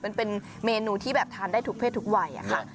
มันเป็นเมนูที่แบบทานได้ทุกเพศทุกวัยค่ะ